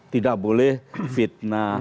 tidak boleh fitnah